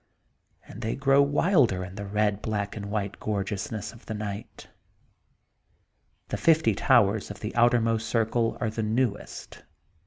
And they grow wilder in the red, black and white gorgeousness of the night. The fifty towers on the outermost circle are the newest.